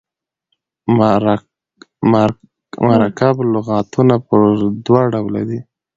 مرکب لغاتونه پر دوه ډوله دي.